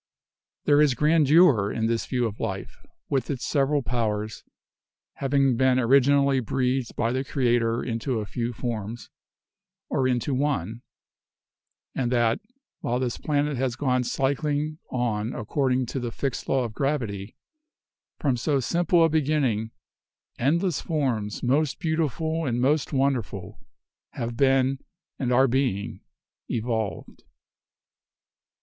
There is grandeur in this view of life, with its several powers, having been originally breathed by the Creator into a few forms or into one; and that, while this planet has gone} cycling on according to the fixed law of gravity, from so simple a beginning endless forms most beautiful and most wonderful have been and are being evolved."